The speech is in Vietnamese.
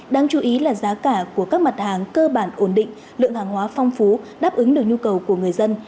đáng chú ý là giá cả của các mặt hàng cơ bản ổn định lượng hàng hóa phong phú đáp ứng được nhu cầu của người dân